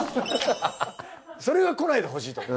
それは来ないでほしいと思う。